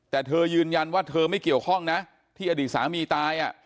แต่เธอยืนยันว่าเธอไม่เกี่ยวข้องนะที่อดีตสามีตาย